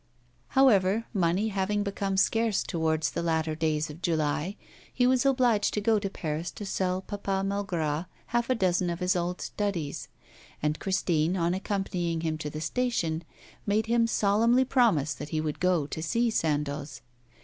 However, money having become scarce towards the latter days of July, he was obliged to go to Paris to sell Papa Malgras half a dozen of his old studies, and Christine, on accompanying him to the station, made him solemnly promise that he would go to see Sandoz.